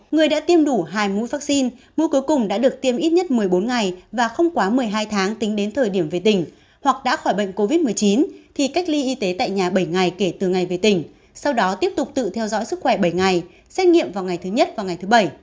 người đã tiêm đủ hai mũi vaccine mua cuối cùng đã được tiêm ít nhất một mươi bốn ngày và không quá một mươi hai tháng tính đến thời điểm về tỉnh hoặc đã khỏi bệnh covid một mươi chín thì cách ly y tế tại nhà bảy ngày kể từ ngày về tỉnh sau đó tiếp tục tự theo dõi sức khỏe bảy ngày xét nghiệm vào ngày thứ nhất và ngày thứ bảy